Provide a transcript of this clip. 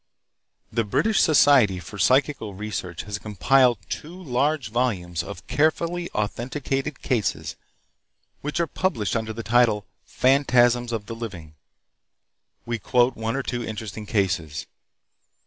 The British Society for Psychical Research has compiled two large volumes of carefully authenticated cases, which are published under the title, "Phantasms of the Living." We quote one or two interesting cases.